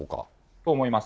そう思います。